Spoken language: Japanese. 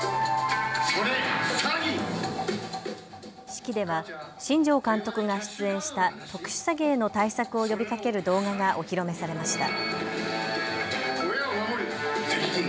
式では新庄監督が出演した特殊詐欺への対策を呼びかける動画がお披露目されました。